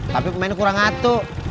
tapi pemain kurang atuh